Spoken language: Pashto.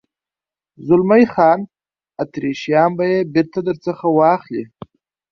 زلمی خان: اتریشیان به یې بېرته در څخه واخلي.